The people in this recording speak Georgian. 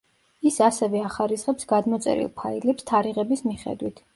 ის ასევე ახარისხებს გადმოწერილ ფაილებს თარიღის მიხედვით.